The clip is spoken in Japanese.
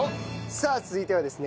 さあ続いてはですね